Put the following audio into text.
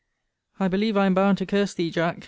I believe I am bound to curse thee, Jack.